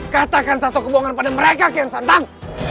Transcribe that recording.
katakan satu kebohongan pada mereka kian santam